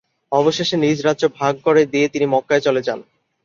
অবশেষে নিজ রাজ্য ভাগ করে দিয়ে তিনি মক্কায় চলে যান।